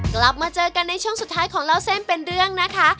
กลับมาเจอกันในช่วงสุดท้ายของเล่าเส้นเป็นเรื่องนะคะ